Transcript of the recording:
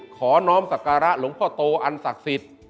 น้องสักการะหลวงพ่อโตอันศักดิ์สิทธิ์